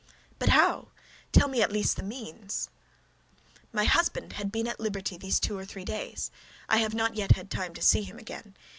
"But how? Tell me at least the means." "My husband had been at liberty these two or three days. I have not yet had time to see him again.